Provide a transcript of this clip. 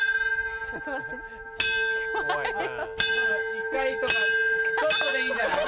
１回とかちょっとでいいんじゃない？